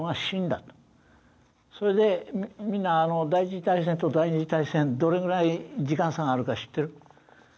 それでみんな第１次大戦と第２次大戦どれぐらい時間差があるか知ってる？